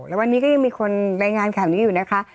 แล้ววันนี้ก็ยังมีคนรายงานข่าวนี้อยู่นะคะ